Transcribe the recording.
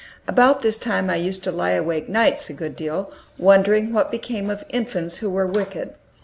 About this time I used to lie awake nights a good deal, wondering what became of infants who were wicked.